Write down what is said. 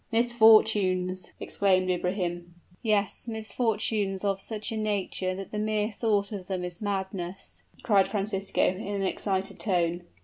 "Misfortunes!" exclaimed Ibrahim. "Yes misfortunes of such a nature that the mere thought of them is madness!" cried Francisco, in an excited tone.